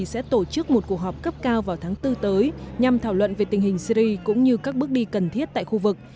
sẽ tổ chức một cuộc họp cấp cao vào tháng bốn tới nhằm thảo luận về tình hình syri cũng như các bước đi cần thiết tại khu vực